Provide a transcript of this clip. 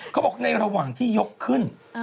เขาบอกในระหว่างที่ยกขึ้น